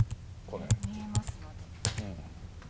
見えますので。